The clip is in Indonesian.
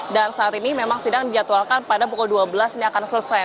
dan saat ini memang sidang dijadwalkan pada pukul dua belas ini akan selesai